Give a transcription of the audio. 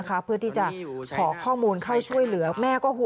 มีมีมีมีมีมีมีมีมีมี